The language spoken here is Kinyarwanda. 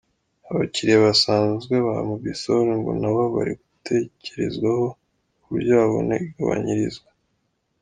Abakiriya basanzwe ba Mobisol ngo nabo bari gutekerezwaho ku buryo babona igabanyirizwa.